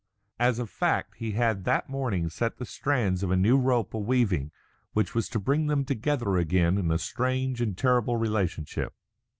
As a fact he had that morning set the strands of a new rope a weaving which was to bring them together again in a strange and terrible relationship.